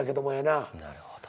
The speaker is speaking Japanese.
なるほど。